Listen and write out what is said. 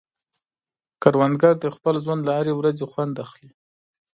کروندګر د خپل ژوند له هرې ورځې خوند اخلي